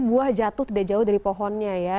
buah jatuh tidak jauh dari pohonnya ya